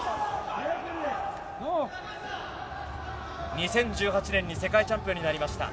２０１８年に世界チャンピオンになりました。